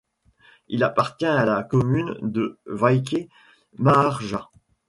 Il appartient à la commune de Väike-Maarja.